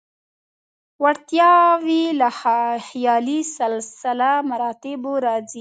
وړتیاوې له خیالي سلسله مراتبو راځي.